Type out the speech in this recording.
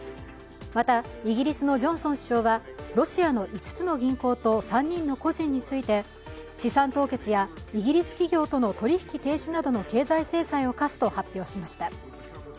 また、イギリスのジョンソン首相はロシアの５つの銀行と３人の個人について資産凍結やイギリス企業との取り引き停止などの経済制裁を科すと発表しました。